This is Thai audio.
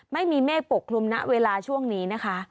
ไม่มีเมฆปกคลุมณเวลาช่วงนี้นะคะ